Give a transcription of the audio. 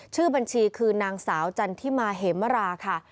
ชื่อบัญชีคือนางสาวจันทิมาเหมราค่ะ